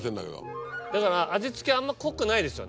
だから味付けあんま濃くないですよね？